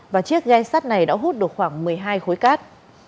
và chiếc ghe sắt này đã hút được khoảng một mươi hai khối cát